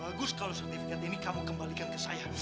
bagus kalau sertifikat ini kamu kembalikan ke saya